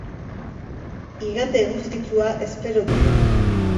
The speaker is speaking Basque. Igande eguzkitsua espero dugu.